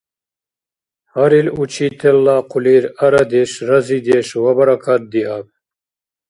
Гьарил учителла хъулир арадеш, разидеш ва баракат диаб!